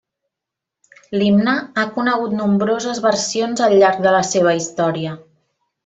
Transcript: L'himne ha conegut nombroses versions al llarg de la seva història.